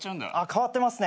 変わってますね。